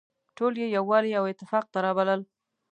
ټول يې يووالي او اتفاق ته رابلل.